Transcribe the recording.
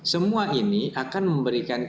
semua ini akan memberikan